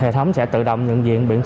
hệ thống sẽ tự động nhận diện biển số xe